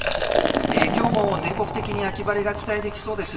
今日も全国的に秋晴れが期待できそうです。